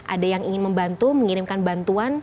ada yang ingin membantu mengirimkan bantuan